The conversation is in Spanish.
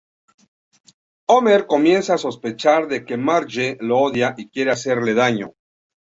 Homer comienza a sospechar de que Marge lo odia y quiere hacerle daño.